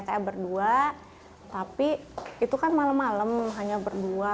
saya berdua tapi itu kan malam malam hanya berdua